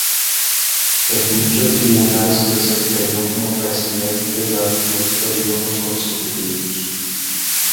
En dicho Tribunal se desempeñó como Presidente durante dos períodos consecutivos.